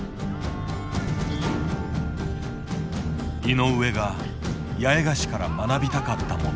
井上が八重樫から学びたかったもの。